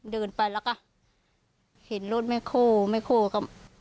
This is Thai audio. เดินไปแล้วก็เห็นรถแม่โคแม่โคก็